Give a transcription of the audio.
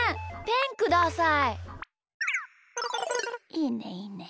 いいねいいね。